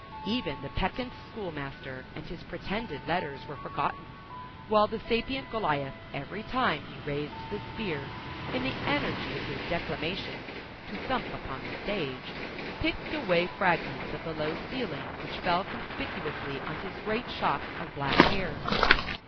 Even the peccant schoolmaster and his pretended letters were forgotten, while the sapient Goliath, every time that he raised the spear, in the energy of his declamation, to thump upon the stage, picked away fragments of the low ceiling, which fell conspicuously on his great shock of black hair.